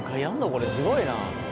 これすごいな。